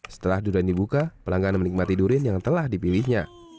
setelah durian dibuka pelanggan menikmati durian yang telah dipilihnya